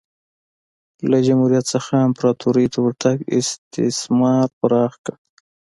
له جمهوریت څخه امپراتورۍ ته ورتګ استثمار پراخ کړ